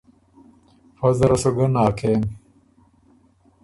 فۀ زره سو ګۀ ناکېم۔